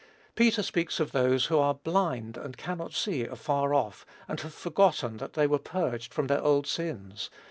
Peter speaks of those, who "are blind, and cannot see afar off, and have forgotten that they were purged from their old sins."